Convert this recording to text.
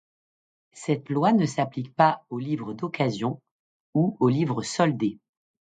Cette loi ne s'applique pas au livre d'occasion ou au livre soldé.